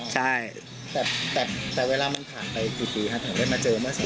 ใช่แต่เวลามันผ่านไปกี่ปีครับถึงได้มาเจอเมื่อสัก